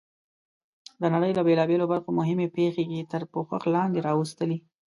د نړۍ له بېلابېلو برخو مهمې پېښې یې تر پوښښ لاندې راوستلې.